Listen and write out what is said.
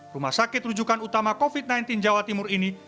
rumah sakit rujukan utama covid sembilan belas jawa timur ini